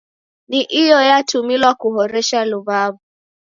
Na iyo yatumilwa kuhoresha luw'aw'o.